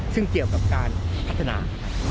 ซึ่งเกี่ยวกับการพัฒนา